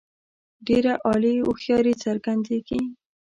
ډېره عالي هوښیاري څرګندیږي.